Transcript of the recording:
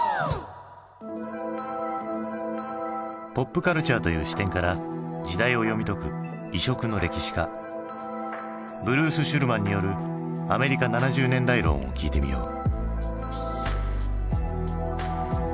ポップカルチャーという視点から時代を読み解く異色の歴史家ブルース・シュルマンによるアメリカ７０年代論を聞いてみよう。